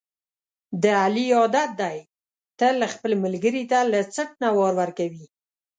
د علي عادت دی، تل خپل ملګري ته له څټ نه وار ورکوي.